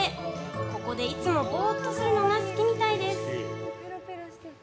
ここでいつもボーっとするのが好きみたいです。